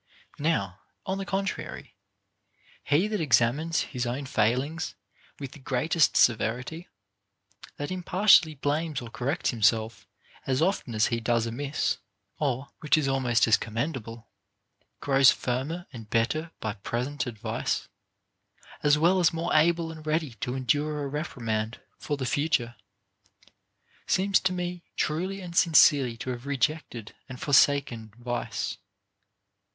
Now, on the contrary, he that examines his own failings with the greatest severity, that impartially blames or cor VOL. II. 30 466 OF MAN'S PROGRESS IN VIRTUE. rects himself as often as he does amiss, or (which is almost as commendable) grows firmer and better by present ad vice, as well as more able and ready to endure a repri mand for the future, seems to me truly and sincerely to have rejected and forsaken vice.